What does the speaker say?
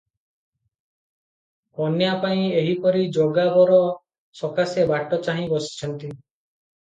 କନ୍ୟାପାଇଁ ଏହିପରି ଯୋଗା ବର ସକାଶେ ବାଟ ଚାହିଁ ବସିଛନ୍ତି ।